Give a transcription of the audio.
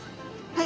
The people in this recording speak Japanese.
はい。